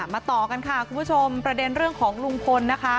ต่อกันค่ะคุณผู้ชมประเด็นเรื่องของลุงพลนะคะ